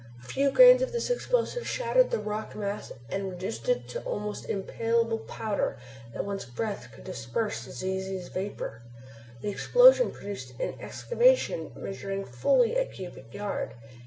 A few grains of this explosive shattered the rocky mass and reduced it to almost impalpable powder that one's breath could disperse as easily as vapor. The explosion produced an excavation measuring fully a cubic yard.